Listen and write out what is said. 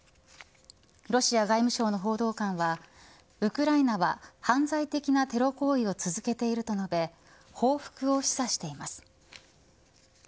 ロシア外務省の報道官はウクライナは犯罪的なテロ行為を続けていると述べ報復を示唆しています。